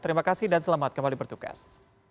terima kasih dan selamat kembali bertugas